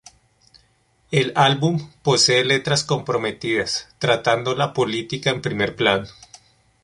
El álbum posee letras comprometidas, tratando la política en primer plano.